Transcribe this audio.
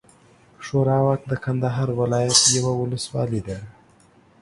ښوراوک د کندهار ولايت یوه اولسوالي ده.